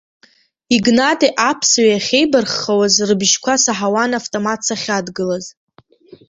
Игнати аԥссаҩи ахьеибарххауаз рбыжьқәа саҳауан автомат сахьадгылаз.